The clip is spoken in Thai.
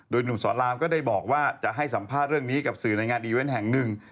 หนุ่มสอนรามก็ได้บอกว่าจะให้สัมภาษณ์เรื่องนี้กับสื่อในงานอีเวนต์แห่งหนึ่ง